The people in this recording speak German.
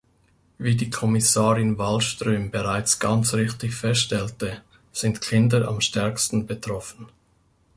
Wie die Kommissarin Wallström bereits ganz richtig feststellte, sind Kinder am stärksten betroffen.